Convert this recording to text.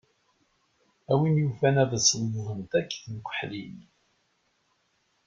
A win yufan ad ṣedddent akk temkeḥlin.